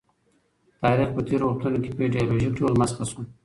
تاریخ په تېرو وختونو کي په ایډیالوژیک ډول مسخ سو.